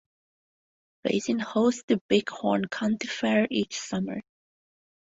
Basin hosts the Big Horn County Fair each summer.